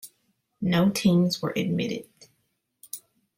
No teams were admitted.